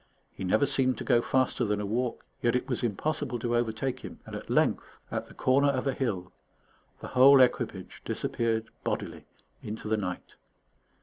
He never seemed to go faster than a walk, yet it was impossible to overtake him; and at length, at the corner of a hill, the whole equipage disappeared bodily into the night.